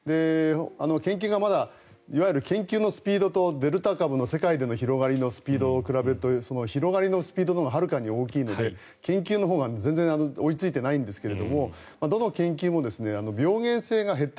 研究がまだいわゆる研究のスピードとデルタ株の世界での広がりを比べると広がりのスピードのほうがはるかに大きいので研究のほうが全然追いついていないんですがどの研究も病原性が減った。